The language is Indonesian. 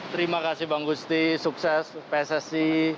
terima kasih bang gusti sukses pssi